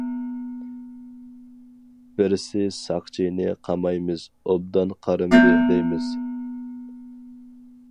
بىرسى ساقچىنى قامايمىز، ئوبدان قارىمىدى دەيمىز.